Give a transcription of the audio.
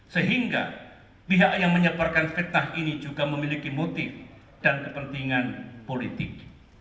sehingga pihak yang menyebarkan fitnah ini juga memiliki motif dan kepentingan politik